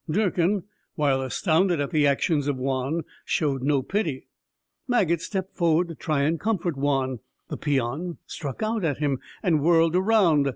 Durkin, while astounded at the actions of Juan, showed no pity. Maget stepped forward, to try and comfort Juan; the peon struck out at him, and whirled around.